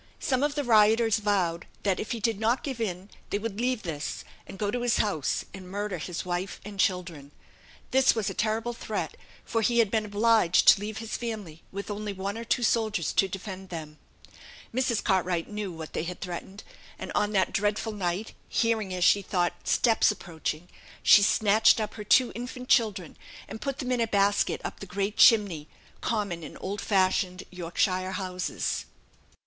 Some of the rioters vowed that, if he did not give in, they would leave this, and go to his house, and murder his wife and children. This was a terrible threat, for he had been obliged to leave his family with only one or two soldiers to defend them. Mrs. Cartwright knew what they had threatened; and on that dreadful night, hearing, as she thought, steps approaching, she snatched up her two infant children, and put them in a basket up the great chimney, common in old fashioned Yorkshire houses.